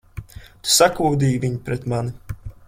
Tu sakūdīji viņu pret mani!